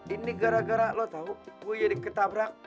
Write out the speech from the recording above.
ini gara gara lo tau gue jadi ketabrak